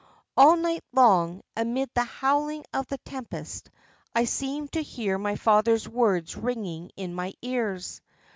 All night long, amid the howling of the tempest, I seemed to hear my father's words ringing in my ears.